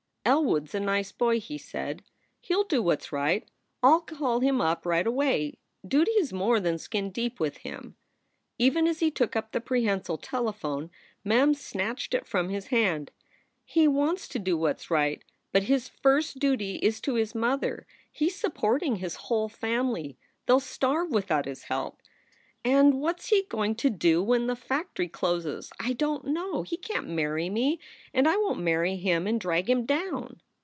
"Elwood s a nice boy," he said. "He ll do what s right. I ll call him up right away. Duty is more than skin deep with him." Even as he took up the prehensile telephone, Mem snatched it from his hand. "He wants to do what s right, but his first duty is to his mother. He s supporting his whole family. They ll starve without his help. And what he s going to do when the fac SOULS FOR SALE 19 tory closes I don t know. He can t marry me. And I won t marry him and drag him down."